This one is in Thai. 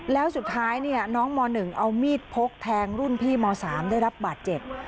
แล้วสุดท้ายน้องม๑เอามีดพกแทงรุ่นพี่ม๓ได้รับบาดเจ็บ